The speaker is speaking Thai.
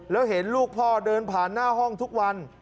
แล้วเห็นลูกพ่อเดินผ่านหน้าห้องทุกวัน